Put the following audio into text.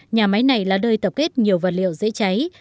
nhà máy này là nơi tập kết nhiều vật liệu dễ cháy